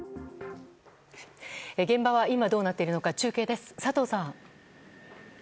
現場は今どうなっているのか中継です。